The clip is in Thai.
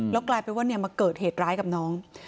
แล้วกลายเป็นว่ามาเกิดเหตุร้ายกับน้อง